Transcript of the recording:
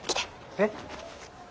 えっ？